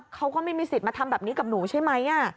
เขาก็ไม่มีสิทธิ์มาทำแบบนี้กับหนูใช่ไหม